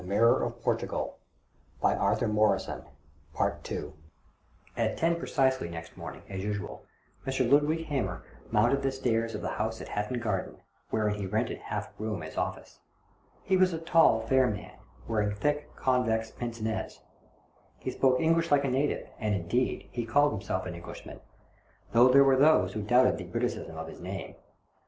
Ill At ten precisely next morning, as usual, IMr. Ludwig Hamer mounted the stairs of the house in Hatton Garden, wherein he rented half a room as office. He was a tall, fair man, wearing thick convex pince nez. He spoke English like a native, and, indeed, he called himself an English man, though there were those who doubted the Briticism of his name.